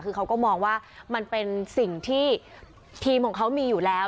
คือเขาก็มองว่ามันเป็นสิ่งที่ทีมของเขามีอยู่แล้ว